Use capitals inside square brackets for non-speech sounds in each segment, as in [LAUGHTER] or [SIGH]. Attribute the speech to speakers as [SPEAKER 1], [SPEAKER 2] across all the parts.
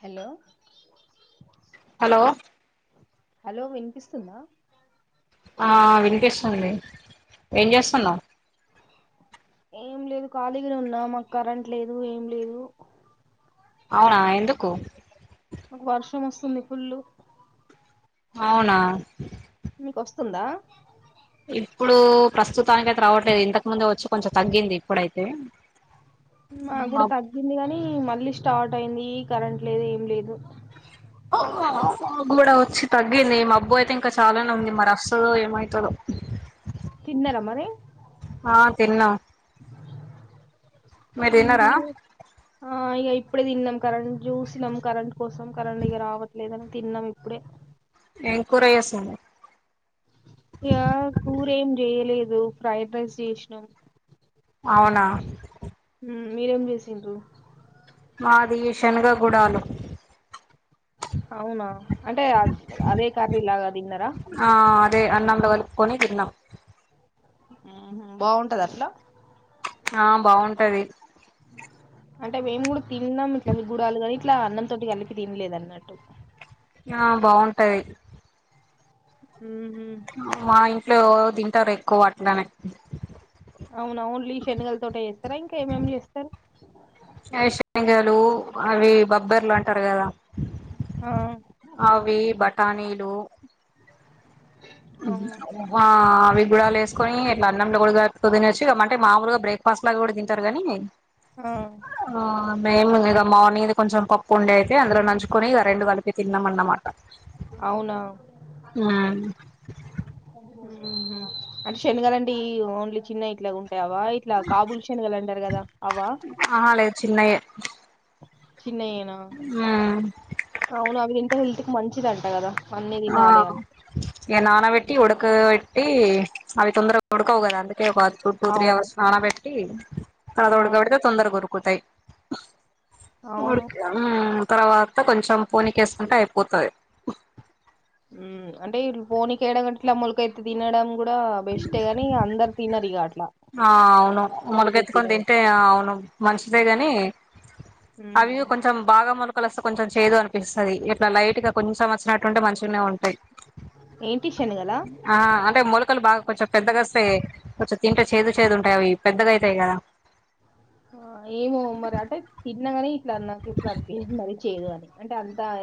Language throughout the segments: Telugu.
[SPEAKER 1] హలో
[SPEAKER 2] హలో
[SPEAKER 1] హలో వినిపిస్తుందా
[SPEAKER 2] ఆ వినిపిస్తుంది ఏం చేస్తున్నావ్
[SPEAKER 1] ఏం లేదు ఖాళీగానే ఉన్నా మాకు కరెంట్ లేదు ఏం లేదు
[SPEAKER 2] అవునా ఎందుకు
[SPEAKER 1] మాకు వర్షం వస్తుంది పుల్ళు
[SPEAKER 2] అవునా
[SPEAKER 1] మీకు వస్తుందా
[SPEAKER 2] ఇప్పుడు ప్రస్తుతానికి అయితే రావట్లేదు ఇంతకు ముందే వచ్చి కొంచెం తగ్గింది ఇప్పుడైతే
[SPEAKER 1] కూడా
[SPEAKER 2] మబ్బు
[SPEAKER 1] తగ్గింది కాగాని మళ్ళీ స్టార్ట్ అయింది కరెంట్ లేదు ఏం లేదు
[SPEAKER 2] మాక్ కూడా వచ్చి తగ్గిందిమబ్బు అయితే ఇంకా చాలానే ఉంది మరి వస్తుందో ఏమవుతుందో
[SPEAKER 1] తిన్నారా మరి
[SPEAKER 2] తిన్నాం మీరు తిన్నారా
[SPEAKER 1] ఆ ఇగ ఇప్ ఇప్పుడే తిన్నాం కరెంట్ చూసినాం కరెంట్ కోసం కరెంట్ ఇగ రావట్లేదని తిన్నాం ఇప్పుడే
[SPEAKER 2] ఎం కూర చేసింది
[SPEAKER 1] ఇగ కూర ఏం చేయలేదు ఫ్రైడ్ రైస్ చేసినాం
[SPEAKER 2] అవునా
[SPEAKER 1] మ్ మీరేం చేసిండ్రు
[SPEAKER 2] మాది షన్గ గుడాలు
[SPEAKER 1] అవునా అంటే అదే కర్రి లాగా తిన్నారా
[SPEAKER 2] అే అన్నంల కలుపుకొని తిన్నాం
[SPEAKER 1] బాగుంటదట్లా
[SPEAKER 2] ఆ బాగుంటది
[SPEAKER 1] అంటే మేము కూడా తిన్నాం ఇట్ల వ్ గుడాలు కాని ఇట్లా అన్నం తోటి కలిపి తినలేదు అన్నట్టు
[SPEAKER 2] ఆ బాగుంటది మా ఇంట్లో తింటారు ఎక్కువ అట్లనే
[SPEAKER 1] అవునా ఓన్లీ శనగల తోటే చేస్తారా ఇంకా ఏమేమి చేస్తారు
[SPEAKER 2] వేరుశనగలు అవి బబ్బెర్లు అంటారు కదా
[SPEAKER 1] ఆ
[SPEAKER 2] అవి బట్ టనీలు
[SPEAKER 1] అవునా?
[SPEAKER 2] ఆ అవి గూడలేస్ లేసుకొని ఇట్లా అన్నంల కూడా తినోచ్చు అంటే మామూలుగా బ్రేక్ఫాస్ట్ లాగా కూడా తింటారు కాని
[SPEAKER 1] ఆ
[SPEAKER 2] ఆ మేము ఇగ మార్నింగ్ ది కొంచెం పప్పు ఉండే అయితే అందులో నంజుకోని ఇగ రెండు కలుప్ ఇగ తిన్నం అన్నమాట
[SPEAKER 1] అవునా
[SPEAKER 2] అ
[SPEAKER 1] అంటే శనగలండి ఓన్లీ చిన్నయి ఇట్లా ఉం టవా ఇట్లా కాబుల్షన్గాలంటారు కదా అవా
[SPEAKER 2] ఆహా లేదు చిన్నయే
[SPEAKER 1] చిన్నయేనా
[SPEAKER 2] ఉమ్
[SPEAKER 1] అవును అవి తింటే హెల్త్ కి మంచిదంట కదా అన్నీ
[SPEAKER 2] ఆ
[SPEAKER 1] తినాలి అని
[SPEAKER 2] ఇగ నానా పెట్టి ఉుడక పెట్టి అవి తొందర ఉడ్కవ్ కద అంద్ అే ఒక టూ టూ త్రీ
[SPEAKER 1] అవును
[SPEAKER 2] అవర్స్ నానా పెట్టి ఆడ
[SPEAKER 1] ఆ
[SPEAKER 2] ఉడుకాపెడితే తొందరగ ఉడుకుతాయి
[SPEAKER 1] అవును
[SPEAKER 2] ఉడికి అ తర్వాత కొంచెం పోనీకేసుకుంటే అయిపోతది
[SPEAKER 1] మ్ అంటే ఇప్ [UNINTELLIGIBLE] మొలకైతే తినడం కూ డా బెస్టే గాని అందరు తినరు ఇగ అట్లా
[SPEAKER 2] ఆ అవును మొలగెత్తుకొని
[SPEAKER 1] మొలకెత్తినవి
[SPEAKER 2] తింటే అవును మంచిదే గాని
[SPEAKER 1] మ్మ్
[SPEAKER 2] అవి కొంచెం బాగా మొల్ మొలలాస్తే కొంచెం చేదనిపిస్తది ఇట్లా లైట్గా కొంచెం వచ్చినట్టుంటే మంచిగానే ఉంటాయి
[SPEAKER 1] ఏం
[SPEAKER 2] ఆ అంటే మొలకలు బాగా కొంచెం పెద్దగోస్తే కొంచెం తింటే చేదు చేదు అే అవి పెద్దగా అయితయి కదా
[SPEAKER 1] ఏమో మరి అంటే తిన్నా కాని ఇట్లా నాకు ఏప్పుడు అనిపిించ అంటే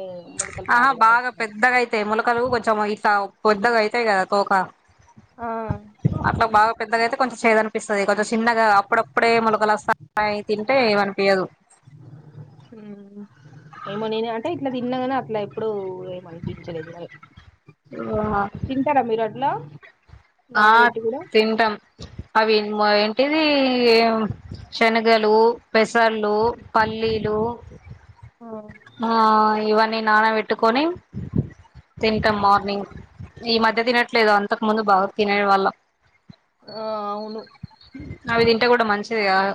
[SPEAKER 1] ఏ, మొలకలు
[SPEAKER 2] ఆహా
[SPEAKER 1] పాడు కావచ్చు
[SPEAKER 2] బాగా
[SPEAKER 1] మరి
[SPEAKER 2] పెద్దగా అయితాయి మొలకలు కొంచ్చాము ఇట్లా పెద్దగా అయితాయి కదా తోక
[SPEAKER 1] ఆ
[SPEAKER 2] అట్లా బాగా పెద్దగా అయితే కొంచెం చేదనిపిస్తది కొంచెం చిన్నగా అప్పుడప్పుడే మొలకలోస్తాన్నయ్ తింటే ఏమనిపియదు
[SPEAKER 1] ఏమో నేను అంటే ఇట్లా తిన్నాగాని అట్లా ఎప్పుడు ఏమనిపించలేదు తింటారా మీరు అట్లో
[SPEAKER 2] ఆ తింటం అవి మ ఎ ఇది శనగలు పెసళ్ళు పల్లీలు
[SPEAKER 1] ఆ
[SPEAKER 2] ఆ ఇవన్నీ నాన పెట్టుకొని తింటాం
[SPEAKER 1] ఉమ్.
[SPEAKER 2] మార్నింగ్ ఈ మధ్య తినట్లేదు అంతకు ముందు బాగా తినే వాళ్ళం
[SPEAKER 1] ఆ అవును
[SPEAKER 2] అంటే కూడా మంచిదిగాదు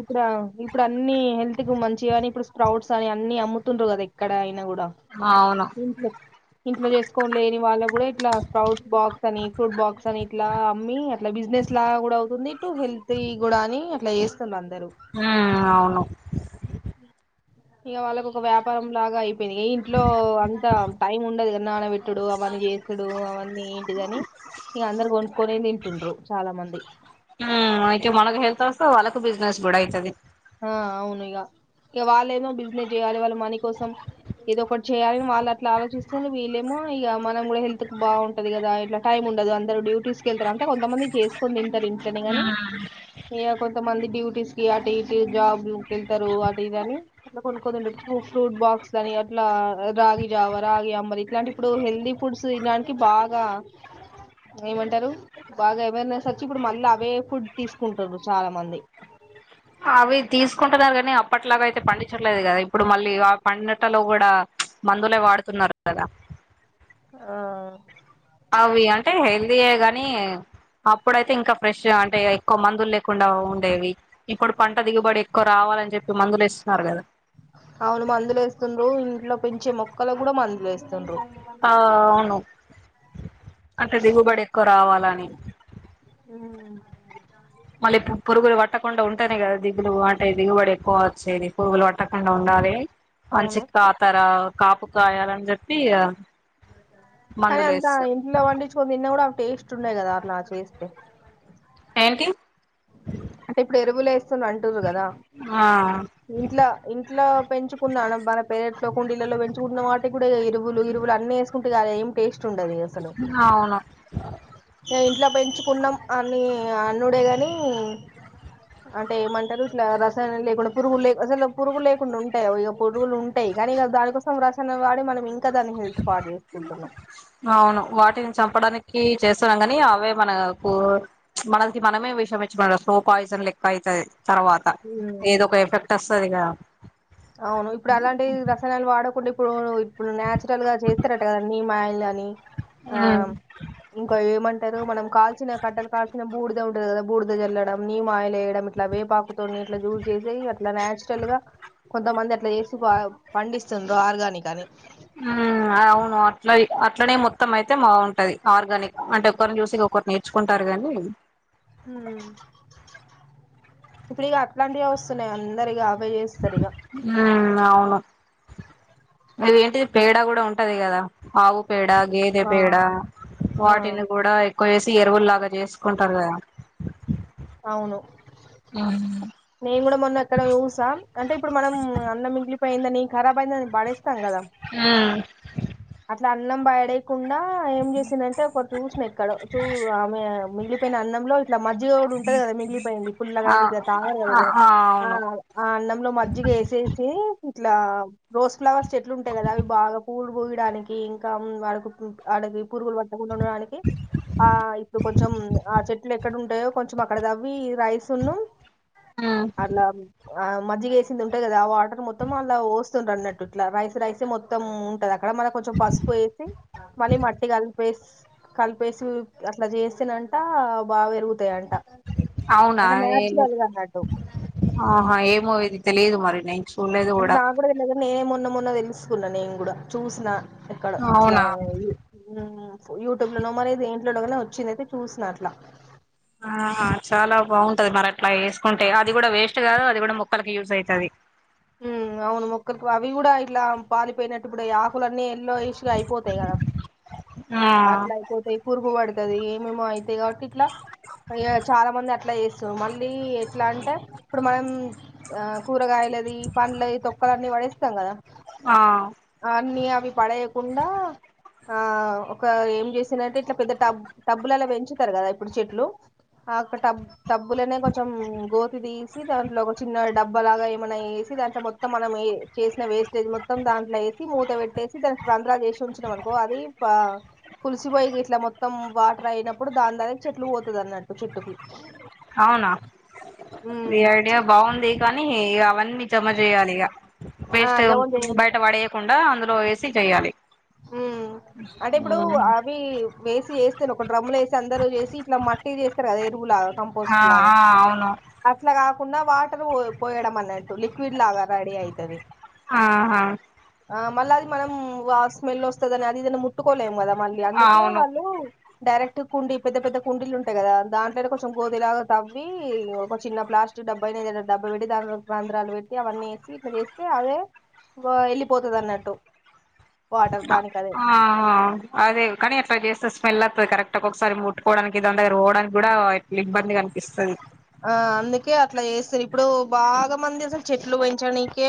[SPEAKER 1] ఇప్పుడ ఇప్పుడు అన్ని హెల్త్ కు మంచి కానీ ఇప్పుడు స్ప్రౌట్స్ కని అన్ని అమ్ముతుండ్రు కదా ఇక్కడ అయినా కూడా
[SPEAKER 2] అవును
[SPEAKER 1] ఇంట్లో చేసుకోని లేని వాళ్ళ కూడా ఇట్లా స్ప్రొట్ట్స్ బాక్ అని ఫ్రూట్ బాక్స్ అని ఇట్లా అమ్మి అట్లా బిజినెస్ లా కూడా అవుతుంది ఇటు హెల్త్ కూడా అని ఇలా చేస్తున్నాన్
[SPEAKER 2] ఉ అవును
[SPEAKER 1] ఇగ వాళ్ళకు ఒక వ్యాపారం లాగా అయిపో పెనిగే ఇంట్లో అంత టైం ఉండదు కద నానబెట్టుడు అవన్నీ చేసుడు అవన్నీ ఏంటిదని ఇగ అందరు కొనుక్కొనే తింటుండ్రు చాలా మంది
[SPEAKER 2] అయితే మనగ హెల్త్ వస్తా వాలక్ బిజినెస్ కూడ అయితది
[SPEAKER 1] ఆ అవును ఇగ ఇంక వాళ్ళేమో బిజినెస్ చేయాలి వాళ్ళ మనీ కోసం ఏదో ఒకటి చేయాలిని వాళ్ళు అట్లా ఆలోచిస్తే వీళ్ళేమో ఇగ మనం కూడా హెల్త్ బాగుంటది కదా ఇట్లా టైం ఉండదు అందరు డ్యుటీస్ వెళ్తార అంట కొంతమంది చేసుకొని తీన్ ఇంట్లోనే గని
[SPEAKER 2] ఉమ్
[SPEAKER 1] ఇగ కొంతమంది డ్యూటీస్ కి అటు ఇటు జాబ్లు కెళ్తారు అది ఇదని అట్ల కొనుండి ఫ్రూట్ బాక్స్ అని అట్లా రాగి జావ రాగి అంబలి ఇట్లాంటి ఇప్పుడు హెల్దీ ఫుడ్స్ తినడానికి బాగా ఏమంటారు బాగా అవేర్నెస్ వచ్చి ఇప్పుడు మళ్ళీ అవే ఫుడ్ తీసుకుంటరు చాలా మంది అవు
[SPEAKER 2] అవి తీసుకుంటున్నారు గాని అప్పట్లాగ అయితే పండించట్లేదు కదా ఇప్పుడు మళ్ళీ ఆ పండిటల్లో కూడా మందులే వాడుతున్నారు కదా
[SPEAKER 1] ఆ
[SPEAKER 2] అవి అంటే హెల్దీయే గానీ అప్పుడైతే ఇంకా ఫ్రెష్ అంటే ఎక్కువ మందులు లేకుండా ఉండేవి ఇప్పుడు పంట దిగుబడి ఎక్కువ రావ కావాలని చెప్పి మందులు ఇస్తున్నారు కదా
[SPEAKER 1] ఒక్కలు కూడా మందులు వేస్తుండ్రు
[SPEAKER 2] ఆ అవును అంటే దిగుబడి ఎక్కువ రావాలని మళ్ళీ పరుగులు పట్టకుండా ఉంటానే కదా దిగులు అంటే దిగుబడి ఎక్కువ వచ్చేది పురుగులు పట్టకుండా ఉండాలి మంచి
[SPEAKER 1] అవును
[SPEAKER 2] కాతర కాపు కాయాలని చెప్పి
[SPEAKER 1] కానీ
[SPEAKER 2] మందులు
[SPEAKER 1] అంతా
[SPEAKER 2] వేస్తారు
[SPEAKER 1] ఇంట్లో వండికొని తిన్నా కూడా టేస్ట్ ఉండయి కదా అలా చేస్తే
[SPEAKER 2] ఏంటి
[SPEAKER 1] అంటే ఇప్పుడు ఎరువులే వేస్తున్నా అంటుర్రు కదా
[SPEAKER 2] ఆ
[SPEAKER 1] ఇంట్లో ఇంట్లో పెంచుకున్నాను మన పేరట్ కుండళ్లలో పెంచుకుంటన్న వాటికి కూడా ఎరువులు ఇరువులు అన్ని వేసుకుంటే కదా ఏం టేస్ట్ ఉండదిగా అసలు
[SPEAKER 2] అవును
[SPEAKER 1] ఇంట్లో పెంచుకున్నాం అని అనుడే గాని అంటే ఏమంటారు ఇట్లా రసాయనం లేకుండా పురుగులు అసలు పురుగులు లేకుండా ఉంటాయి ఇక పురుగులు ఉంటాయి కానీ ఇగ దానికోసం రచణ వాడి మనం ఇంకా దాన్ని హెల్త్ పాడు చేసుకుంటున్నాం
[SPEAKER 2] అవును వాటిని చంపడానికి చేస్తున్నాం కానీ అవే మనకు మనకి మనమే విషమిచ్చి మనకు స్లో పాయిజన్ లెక్క అయితది తర్వాత
[SPEAKER 1] ఉమ్
[SPEAKER 2] ఏదో ఒక ఎఫెక్ట్ వస్తది గా
[SPEAKER 1] అవును ఇప్పుడు అలాంటి రసానాలు వాడకుండా ఇప్పుడు ఇప్పుడు నేచురల్ గా చేస్తారట కదాన్నీ మాల్ అని
[SPEAKER 2] ఉమ్
[SPEAKER 1] ఇం ఏంటరు మనం కాల్చిన కట్టెలు కాల్చిన బూడిది ఉంటది కదా బుడద జల్లడం నీమ్ ఆయిల్ వయడం ఇట్లా వేపాకుతో ఇట్లా జూస్ చేసి అట్లా నాచురల్ గా కొంతమంది అట్లా చేసి పండిస్తుండ్ర ఆర్గానిక్ అని
[SPEAKER 2] ఉ అవును అట్లా అట్లనే మొత్తం అయితే బాగుంటది ఆర్గానిక్ అంటే ఒకరిని చూసి ఒక్కరు నేర్చుకుంటారు కానీ
[SPEAKER 1] ఉమ్ ఇప్పుడుక అట్లాంటివి వస్తున్నాయి అందరిగా చేస్తారు ఇక
[SPEAKER 2] ఉమ్ అవును అది ఏంటిది పేడ కూడా ఉంటది కదా ఆవు పేడ గేదె
[SPEAKER 1] ఆ
[SPEAKER 2] పేడ
[SPEAKER 1] ఆ
[SPEAKER 2] వాటిని కూడా ఎక్కువ వే ఎరువులు లాగా చేసుకుంటారు కదా
[SPEAKER 1] అవును నేను కూడా మొన్న ఎక్కడ చూసా అంటే ఇప్పుడు మనం అన్నం మిగిలి పయిందని ఖరాబ్ అయ్యింది అని బా
[SPEAKER 2] ఉ
[SPEAKER 1] అట్లా అన్నం బయడే కుండా ఏం చేసిందంటే ఒక చూసిన ఎక్కడో ఆమె మిగిలిపోయిన అన్నంలో ఇట్లా మాజీగా ఉంటంది మిగిలిపోయింది పుల్ల
[SPEAKER 2] ఆ
[SPEAKER 1] అయింది తాగరూ కదా ఎవరు
[SPEAKER 2] ఆ
[SPEAKER 1] ఆ
[SPEAKER 2] అవును
[SPEAKER 1] ఆ అన్నంలో మజ్జిగ వేసేసి ఇట్లా రోజ్ ఫ్లవర్స్ చెట్లు ఉంటాయి కదా అవి బాగా పూల్ దనికి ఇంకా అడుగు అడ పూరుగులు పట్టి డడానికి ఆ ఇప్పుడు కొంచెం ఆ చెట్లు ఎక్కడ ఉంటాయో కొంచెం అక్కడ దవ్వి రైసను
[SPEAKER 2] ఉమ్
[SPEAKER 1] అట్లా ఆ మజ్జగ వేసింది ఉంటాయి కదా ఆ వాటర్ మొత్తం అలా పోస్తుండ్రు అన్నట్టు ఇట్లా రైస్ రైసే మొత్తం ఉంటది అ అక్కడ మన కొంచెం పసుపు వేసి మళ్ళీ మట్టి కలిపే కలిపేసి అట్లా చేస్తసినంట బాగా వెరుగుతు టాయంట
[SPEAKER 2] అవునా
[SPEAKER 1] అంటే
[SPEAKER 2] ఏలు
[SPEAKER 1] నాచురల్ కన్నాటూ
[SPEAKER 2] మో ఇది తెలియదు మరి నైను
[SPEAKER 1] అంటే నాకు కూడా తెలిదు నేనే మొన్న మొన్న తెలుసుకున్నా నేను కూడా చూసిన ఎక్కడ ఇట్లా
[SPEAKER 2] అవునా
[SPEAKER 1] యూట్యూబ్ లోనో మరి దేంట్లోనో వచ్చిందయితే చూసిన అట్లా
[SPEAKER 2] ఆ చాలా బాగుంటది మరి అట్లా వేసుకుంటే అది కూడా వేస్ట్ కాదు అది కూడా మొక్కలకు యూజ్ అయితది
[SPEAKER 1] ఉ అవును మొక్కర్కి అవి కూడా ఇలా పాలిపోయినట్టు కూడా యా ఆకులన్నీ ఎల్లో ఇష్గా అయిపోతాయి కదా
[SPEAKER 2] ఆ
[SPEAKER 1] అట్లా అయిపోతేయి పురుగు పడుతుది ఏమేమో అయితే కాబట్టి ఇట్లా అయ చాలా మంది అట్లా వే సిర్రు మళ్ళీ ఎట్లా అంటే ఇప్పుడు మనం కూరగాయలది స్తాం కదా
[SPEAKER 2] ఆ
[SPEAKER 1] అన్ని అవి పడేయకుండా ఆ ఒక ఏం చేసందంటే ఇట్లా పెద్ద టబ్ టబ్బులులా పెంచుతారు కదా ఇప్పుడు చెట్లు ఆక్కడ టబ్ టడబ్బలనే కొంచెం గోతి తీసి దాంట్లో ఒక చిన్న డబ్బలాగా ఏమైనా దాంట్లో మొత్తం మనం ఏ చేసిన వేస్టేజ్ మొత్తం దాంట్ వేసి మూత పెట్టేసి దానికి రంధ్రా చేసి ఉంచం అనుకో అది పులిసి పయి ఇట్లా మొత్తం వాటర్ అయినప్పుడు దాని ద్వారా చెట్లు పోతుంది అన్నట్టు చె ట్ పోయి
[SPEAKER 2] అవునా ఈ ఐడియా బాగుంది కానీ అవన్నీ జమ చేయాలి ఇక
[SPEAKER 1] ఆ
[SPEAKER 2] వేస్ట్
[SPEAKER 1] జవం చే
[SPEAKER 2] బయట పడయకుండా అందులో వేసి చేయ్యాలి
[SPEAKER 1] మ్ అంటే ఇప్పుడు అవి వేసి చేస్తారు ఒక డ్రమ్ముల వేసి అందరు చేసి ఇట్లా మట్టి చేస్తారు కద
[SPEAKER 2] ఆ
[SPEAKER 1] కంపోస్ట్ లాగా
[SPEAKER 2] ఆ అవును
[SPEAKER 1] అట్లా క కాకుండా వాటర్ పో పోయడం అన్నట్టు లిక్విడ్ లాగా రెడీ అయితది
[SPEAKER 2] ఆహా
[SPEAKER 1] ఆ మళ్ళ అది మనం స్మెల్ వస్తదని అది ఏద ముట్టుకోలేము కదా మళ్ళీ అందుకే
[SPEAKER 2] అవును
[SPEAKER 1] వాళ్ళు డైరెక్ట్ కుండి పెద్ద పెద్ద కుండీలు ఉంటాయి కదా దాంట్లోనే కొంచెం గోదిలాగా తవ్వి ఒక చిన్న ప్లా డబ్బ అయిన ఏదైనా డబ్బ పెట్టి దాంలో బంధ్రాలు పెట్టి అవన్నీే ఇట్ల చేస్తే అవే వా వెళ్ళిపోతదన్నట్టు
[SPEAKER 2] ఆ అహ అదే కని అట్లా చేస్తే స్మెల్ అత్తది కరెక్ట్ ఒకసారి ముట్టుకోవడానికి దని దగ్గరికి పోవడానికి కూడా ఇట్లా ఇబ్బందిగ అనిపిస్తది
[SPEAKER 1] ఆ అందుకే అట్లా చేస్తుారు ఇప్పుడు బాగా మంది అసలు చెట్లు పెంచడానికే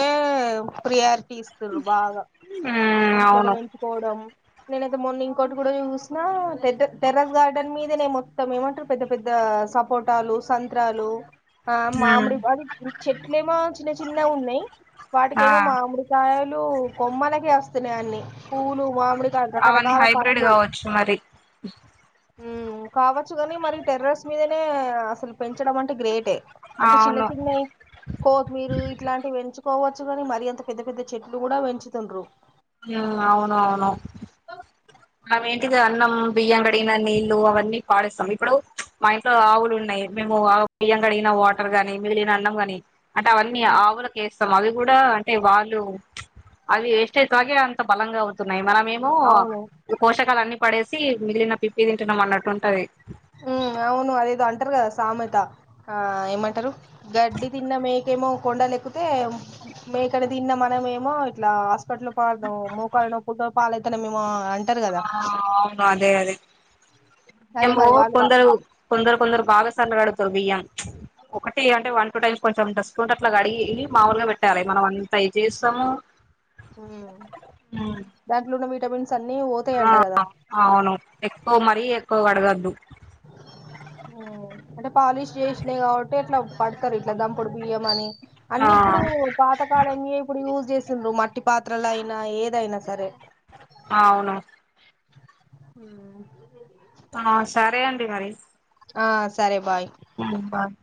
[SPEAKER 1] ప్రెయార్ కిస్తుర్రు బాగా
[SPEAKER 2] ఉమ్
[SPEAKER 1] ఇంటి కాడ
[SPEAKER 2] అవును
[SPEAKER 1] పెంచుకోవడం నేనైతే మొన్న ఇంకోటి కూడా చూసిన టర టెర్రస్ గార్డెన్ మీద నే మొత్తం ఏమంటారు పెద్ద పెద్ద సపోటాలు సంత్రాలు ఆ మామిడి అది చెట్లేమో చిన్న చిన్నగ ఉన్నాయి
[SPEAKER 2] ఆ
[SPEAKER 1] వాటికేమో మామిడికాయలు కొమ్మలకే వస్తున్నాయి అన్నిీ పూలు మామిడికాయ్
[SPEAKER 2] అవన్నీ
[SPEAKER 1] రకరకాల
[SPEAKER 2] హైబ్రిడ్
[SPEAKER 1] పండ్లు
[SPEAKER 2] కావచ్చు మరి
[SPEAKER 1] మ్ కావచ్చు కాని మరి టెర్రస్ మీదనే అసలు పెంచడం అంటే గ్రేటే అంటే చిన్న
[SPEAKER 2] అవును
[SPEAKER 1] చిన్నవి కొత్తిమీరు ఇట్లాంటివి పెంచు కోవచ్చు కాని మరి అంత పెద్ద పెద్ద చెట్లు కూడా పెంచుతుండ్రు
[SPEAKER 2] మ్మ్ అవునవును అవేంటిది అన్నం బియ్యం కడిగిన నీళ్లు అవన్నీ పడేస్తాము ఇప్పుడు మా ఇంట్లో ఆవులున్నాయి ఏంటి మేము ఆ బియ్యం కడిగిన వాటర్ గానీ మిగిలిన అన్నం గానీ అంటే అవన్నీ ఆవులకేస్ స్తాం అవి కూడా అంటే వాళ్ళు అది వేస్తే తాగే అంత బలంగా అవుతున్నాయి మనం మేము
[SPEAKER 1] అవును
[SPEAKER 2] పోషకాలన్నీ పడేసి మిగిలిన పిప్పి తింటున్నాం అన్నట్టు ఉంటాది
[SPEAKER 1] మ్మ్ అవును అదేదో అంటారు కదా సామెత ఆ ఏమంటారు గడ్డి తిన్న మేకేమో కొండలేక్కితే మేకని తిన్న మనిషేమో ఇట్లా దొడ్లపాలు మోకాల నొప్పులతోటి పాలైతన్నాం మేము
[SPEAKER 2] ఆ అ అవును అదే అదే
[SPEAKER 1] అదే
[SPEAKER 2] అమ్ము
[SPEAKER 1] మరి వాళ్ళు
[SPEAKER 2] కొందరు కొందరు బాగ సన్నగా అడుగు తర్ బియ్యం ఒకటి అంటే వన్ టూ టైమ్స్ కొంచెం ఇట్లా స్కూటప్ ల కడిగి మాముూలుగా పెట్టాలే మనం అంత ఇది చేస్తాము
[SPEAKER 1] మ్మ్ దాంట్లున్న విటమిన్స్ అన్ని
[SPEAKER 2] ఆ
[SPEAKER 1] పోతాయంట కదా
[SPEAKER 2] అవును ఏక్కువ్ మరి ఎక్కువ కడుగొద్దు
[SPEAKER 1] మ్ అంటే పాలిష్ చేస్ లేదు కాబట్టి అట్లా పడుతారు ఇట్లా గంపుడు బియ్యం అని
[SPEAKER 2] ఆ
[SPEAKER 1] అన్ని ఇప్పుడు పాతకాలం యే ఇప్పుడు యూస్ చెస్ సస్తుండ్రు మట్టి పాత్రలైనా ఏదైనా సరే
[SPEAKER 2] అవును
[SPEAKER 1] మ్మ్
[SPEAKER 2] ఆ సరే అండి మరి
[SPEAKER 1] ఆ సరే బాయ్
[SPEAKER 2] మ్మ్ బాయ్